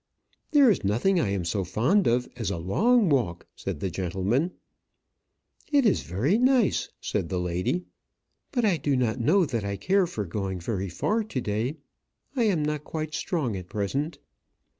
"There is nothing I am so fond of as a long walk," said the gentleman. "It is very nice," said the lady. "But I do not know that I care for going very far to day. I am not quite strong at present."